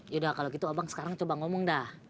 ya udah kalo gitu abang sekarang coba ngomong dah